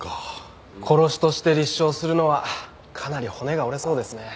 殺しとして立証するのはかなり骨が折れそうですね。